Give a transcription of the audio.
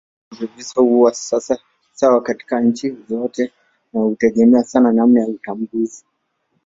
Viwango vya visa huwa sawa katika nchi zote na hutegemea sana namna ya utambuzi.